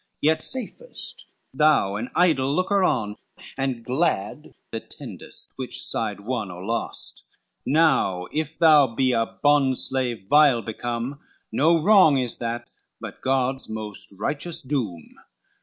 Yet safest thou an idle looker on, And glad attendest which side won or lost: Now if thou be a bondslave vile become, No wrong is that, but God's most righteous doom.